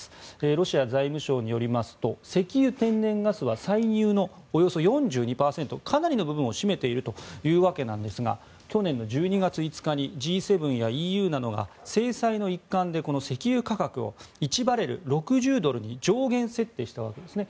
ロシア財務省によりますと石油・天然ガスは歳入のおよそ４２％かなりの部分を占めているというわけなんですが去年の１２月５日にＧ７やＥＵなどが制裁の一環でこの石油価格を１バレル＝６０ドルに上限設定したわけですね。